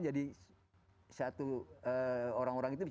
jadi satu orang orang itu bisa